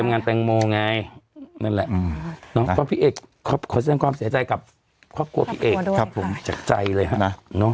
นั่นแหละครับครับผมจากใจเลยค่ะน่ะ